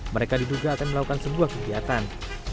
mereka diduga akan melakukan sebuah kegiatan